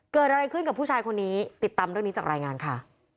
เกิดอะไรขึ้นกับผู้ชายคนนี้ติดตามเรื่องนี้จากรายงานค่ะ